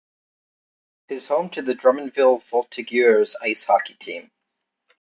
It is home to the Drummondville Voltigeurs Ice hockey team.